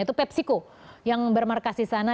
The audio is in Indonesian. itu pepsiko yang bermarkas di sana